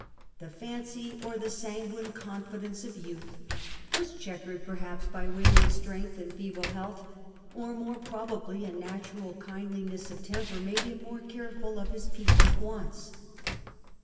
The fancy or the sanguine confidence of youth was chequered perhaps by waning strength and feeble health, or more probably a natural kindliness of temper made him more careful of his pet:)ple's wants.